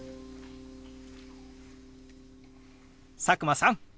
佐久間さん！